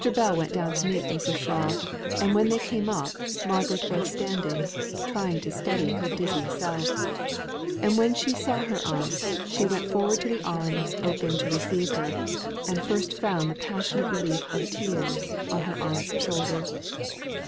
Bell went down to meet Mrs. Shaw; and when they came up, Margaret was standing, trying to steady her dizzy self; and when she saw her aunt, she went forward to the arms open to receive her, and first found the passionate relief of tears on her aunt's shoulder.